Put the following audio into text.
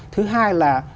thứ hai là